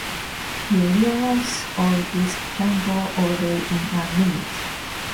You realize all this can go away in a minute.